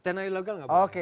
tanah ilegal nggak boleh